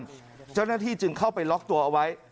ออกมาจากบ้านเจ้าหน้าที่จึงเข้าไปล็อคตัวเอาไว้